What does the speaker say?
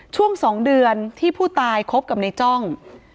ช่วง๒เดือนที่ผู้ตายคบกับในจ้อง